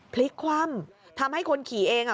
พลิกคว่ำทำให้คนขี่เองอ่ะ